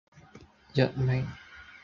佚名